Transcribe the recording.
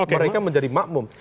mereka menjadi makmum